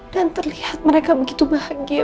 dan terlihat mereka begitu bahagia